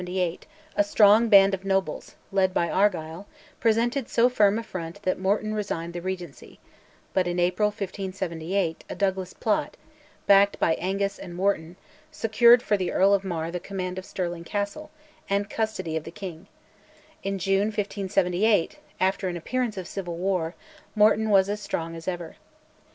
On March 4, 1578, a strong band of nobles, led by Argyll, presented so firm a front that Morton resigned the Regency; but in April 1578, a Douglas plot, backed by Angus and Morton, secured for the Earl of Mar the command of Stirling Castle and custody of the King; in June 1578, after an appearance of civil war, Morton was as strong as ever.